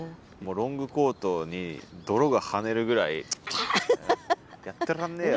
ロングコートに泥が跳ねるぐらい「やってらんねえよ！」。